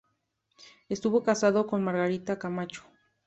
Estuvo casado con Margarita Camacho.